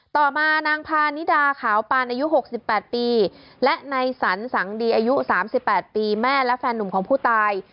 ต่อมานางพานิดาขาวปานอายุ๖๘ปีและนายสันสังดีอายุ๓๘ปีแม่และแฟนหนุ่มของผู้ตาย